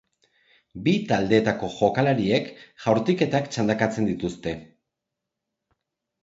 Bi taldeetako jokalariek jaurtiketak txandakatzen dituzte.